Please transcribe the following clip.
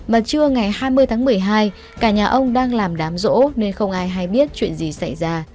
mà trưa ngày hai mươi tháng một mươi hai cả nhà ông đang làm đám rỗ nên không ai hay biết chuyện gì xảy ra